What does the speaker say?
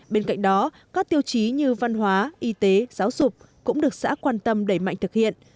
bên cạnh đó các tiêu chí như văn hóa y tế giáo dục cũng được xã quan tâm đẩy mạnh thực hiện